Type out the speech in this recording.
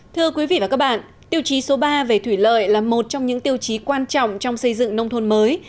thưa quý vị và các bạn tiêu chí số ba về thủy lợi là một trong những tiêu chí quan trọng trong xây dựng nông thôn mới